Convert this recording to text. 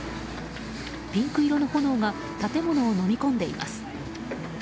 ピンク色の炎が建物をのみ込んでいます。